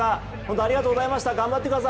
ありがとうございます。